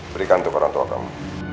berikan untuk orang tua kamu